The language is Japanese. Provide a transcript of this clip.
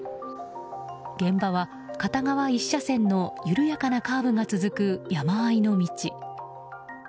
現場は片側１車線の緩やかなカーブが続く山あいの道。